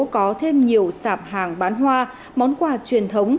có thêm nhiều sạp hàng bán hoa món quà truyền thống